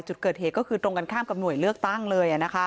จุดเกิดเหตุก็คือตรงกันข้ามกับหน่วยเลือกตั้งเลย